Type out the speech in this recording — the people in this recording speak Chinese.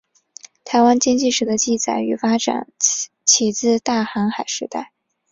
台湾经济史的记载与发展起自大航海时代。